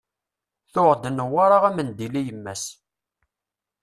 Tuɣ-d Newwara amendil i yemma-s.